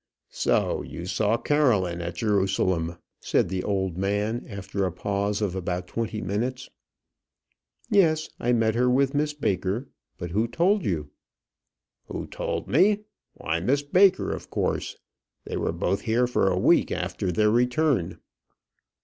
"So you saw Caroline at Jerusalem?" said the old man, after a pause of about twenty minutes. "Yes, I met her with Miss Baker. But who told you?" "Who told me? Why, Miss Baker, of course. They were both here for a week after their return."